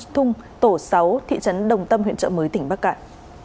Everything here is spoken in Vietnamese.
thung tổ sáu thị trấn đồng tâm huyện trợ mới tỉnh bắc cạn